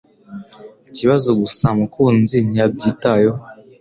Ikibazo gusa Mukunzi ntiyabyitayeho